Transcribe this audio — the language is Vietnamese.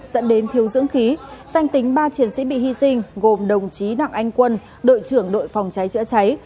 dẫn đến thiếu dưỡng khí danh tính ba chiến sĩ bị hy sinh gồm đồng chí đặng anh quân đội trưởng đội phòng cháy chữa cháy